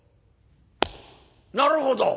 「なるほど！